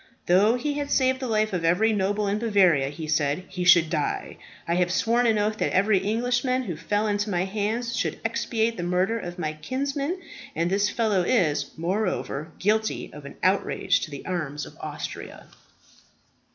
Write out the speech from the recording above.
"Though he had saved the life of every noble in Bavaria," he said, "he should die. I have sworn an oath that every Englishman who fell into my hands should expiate the murder of my kinsman; and this fellow is, moreover, guilty of an outrage to the arms of Austria."